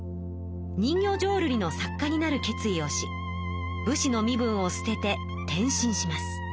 人形浄瑠璃の作家になる決意をし武士の身分をすてて転身します。